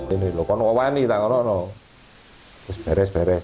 ini lho kan ngawaini tangan lo terus beres beres